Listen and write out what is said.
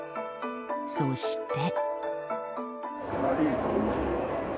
そして。